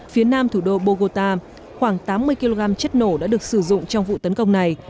phía nam thủ đô bogota khoảng tám mươi kg chất nổ đã được sử dụng trong vụ tấn công này